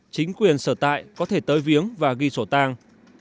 chính quyền sở tại có thể tới viếng và ghi sổ tang